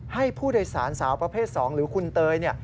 ให้ผู้โดยสารสาวประเภท๒หรือคุณเตย